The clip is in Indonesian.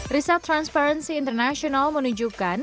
riset transparency international menunjukkan